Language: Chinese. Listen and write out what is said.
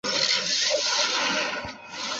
晚年在美国马丁堡政府医院任职。